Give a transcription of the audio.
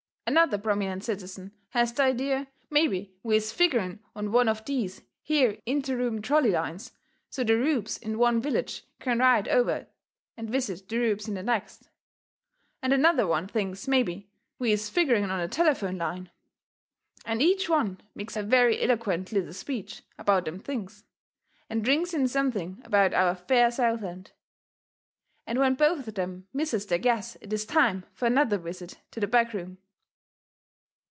Another prominent citizen has the idea mebby we is figgering on one of these here inter Reuben trolley lines, so the Rubes in one village can ride over and visit the Rubes in the next. And another one thinks mebby we is figgering on a telephone line. And each one makes a very eloquent little speech about them things, and rings in something about our fair Southland. And when both of them misses their guess it is time fur another visit to the back room.